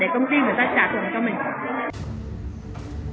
để công ty phải trả thuận cho mình